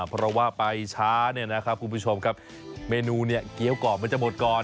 เพราะว่าไปช้าเนี่ยนะครับคุณผู้ชมครับเมนูเนี่ยเกี้ยวกรอบมันจะหมดก่อน